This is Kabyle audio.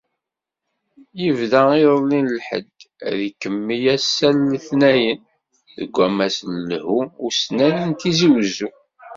Yebda iḍelli n lḥedd, ad ikemmel ass-a n letnayen, deg Wammas n Lhu Ussnan n Tizi Uzzu.